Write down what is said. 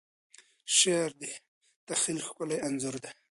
شعر د تخیل ښکلی انځور دی.